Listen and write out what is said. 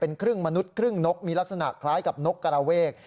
ครึ่งมนุษย์ครึ่งนกมีลักษณะคล้ายกับนกกระเวก